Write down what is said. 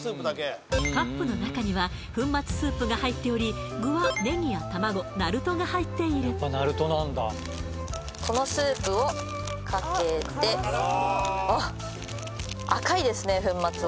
カップの中には粉末スープが入っており具はネギやたまごナルトが入っているこのスープをかけてあっ！